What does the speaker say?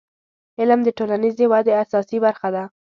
• علم د ټولنیزې ودې اساسي برخه ده.